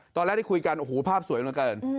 ตอนแรกที่คุยกันโอ้โหภาพสวยเหลือเกิน